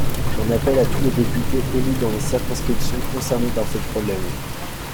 J’en appelle à tous les députés élus dans les circonscriptions concernées par ce problème.